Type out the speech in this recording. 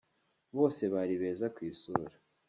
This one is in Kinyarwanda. Bose bari beza ku isura